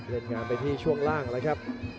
เล่นงานไปที่ช่วงล่างแล้วครับ